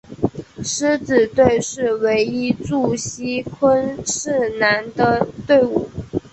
狮子队是唯一驻锡昆士兰的队伍。